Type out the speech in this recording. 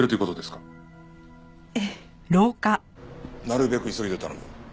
なるべく急ぎで頼む。